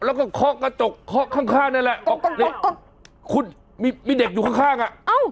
แล้วก็เคาะกระจกเคาะข้างข้างนั่นแหละคุณมีมีเด็กอยู่ข้างข้างอ่ะเอ้า